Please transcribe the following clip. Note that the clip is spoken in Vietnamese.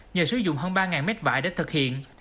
nhờ sử dụng hơn ba mét vải để thực hiện